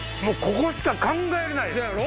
ここしか考えれないです。